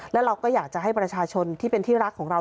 แล้วเราก็อยากจะให้ประชาชนที่เป็นที่รักของเรา